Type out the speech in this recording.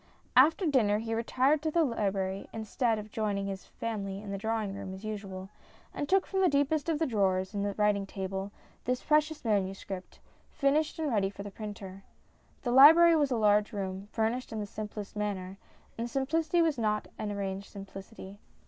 After dinner he retired to the library instead^of joining^his MINIATURES 259 family in the drawing room as usual, and took from thedeepestof thedrawers in thewriting tablethe pre cious manuscript, finished and ready for the printer. The library was a large room, furnished in the simplest manner, and the simplicity was not an arranged simplicity.